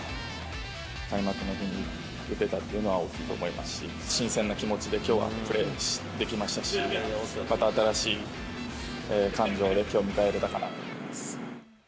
開幕の日に打てたというのは大きいと思いますし、新鮮な気持ちできょうはプレーできましたし、また新しい感情で、きょうを迎えられたかなと思います。